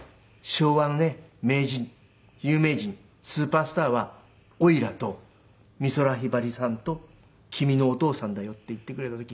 昭和のね名人有名人スーパースターはおいらと美空ひばりさんと君のお父さんだよ」って言ってくれた時。